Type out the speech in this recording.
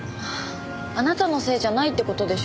あなたのせいじゃないって事でしょ？